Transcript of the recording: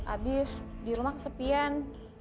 abis di rumah kesepian